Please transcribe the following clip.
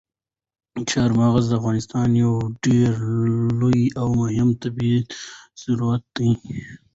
چار مغز د افغانستان یو ډېر لوی او مهم طبعي ثروت دی.